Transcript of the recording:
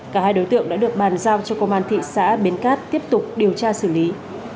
cả hai đối tượng đã được bàn giao cho công an thị xã bến cát tiếp tục điều tra xử lý